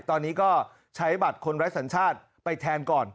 ตอนนี้ก็ใช้บัตรคนไร้สัญชาติไปแทนก่อน